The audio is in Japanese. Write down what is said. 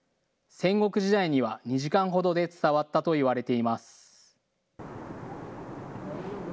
戦国時代には２時間ほどで伝わったといわれています。